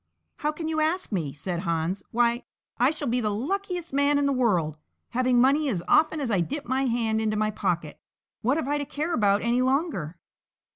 "How can you ask me?" said Hans; "why, I shall be the luckiest man in the world; having money as often as I dip my hand into my pocket, what have I to care about any longer?"